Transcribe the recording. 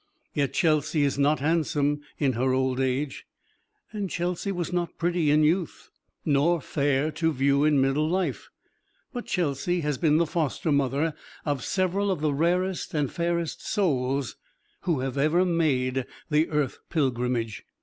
Yet Chelsea is not handsome in her old age, and Chelsea was not pretty in youth, nor fair to view in middle life; but Chelsea has been the foster mother of several of the rarest and fairest souls who have ever made the earth pilgrimage.